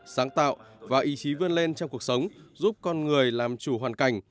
sáng tạo và ý chí vươn lên trong cuộc sống giúp con người làm chủ hoàn cảnh